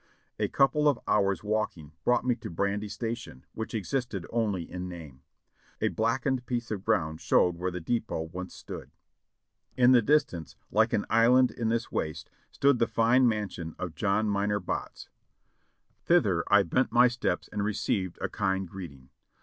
A couple of hours' walking brought me to Brandy Station, which existed only in name. A blackened piece of ground showed where the depot once stood. In the distance, like an island in this waste, stood the fine mansion of John Minor Botts ; thither I bent my steps and received a kind greeting.